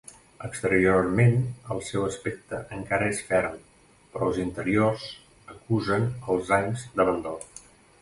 Exteriorment el seu aspecte encara és ferm però els interiors acusen els anys d'abandó.